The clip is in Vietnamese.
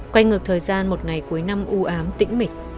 quay ngược thời gian một ngày cuối năm ưu ám tĩnh mịt